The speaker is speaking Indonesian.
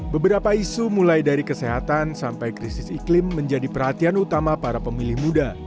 beberapa isu mulai dari kesehatan sampai krisis iklim menjadi perhatian utama para pemilih muda